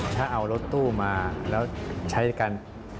ถ้าเอารถตู้มาแล้วใช้กัน